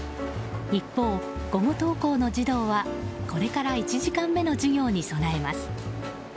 一方、午後登校の児童はこれから１時間目の授業に備えます。